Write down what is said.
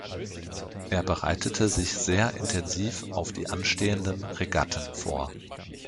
Er bereitete sich sehr intensiv auf die anstehenden Regatten vor.